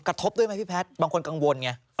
กระทบด้วยไหมพี่แพทย์บางคนกังวลไง